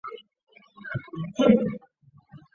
普斯陶莫诺什托尔。